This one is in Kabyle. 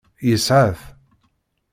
Yesɛa-t.